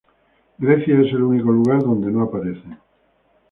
Grecia es el único lugar donde no aparecen.